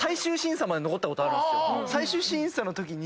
最終審査のときに